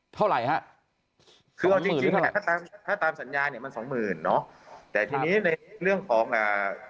เท่าไรฮะถ้าตามสัญญาเนี่ยมันสองหมื่นเนาะแต่ทีนี้ในเรื่องของอ่า